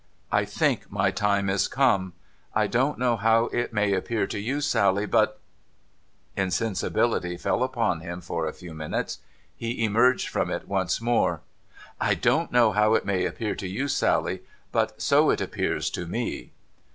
I think my time is come. I don't know how it may appear to you, Sally, but ' Insensibility fell upon him for a few minutes ; he emerged from it once more. '— I don't know how it may appear to you, Sally, but so it appears to me.'